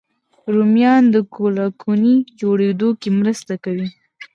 رومیان د کولاګین جوړېدو کې مرسته کوي